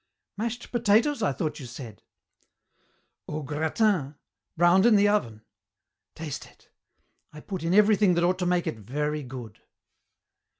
"Mashed potatoes, I thought you said!" "Au gratin. Browned in the oven. Taste it. I put in everything that ought to make it very good."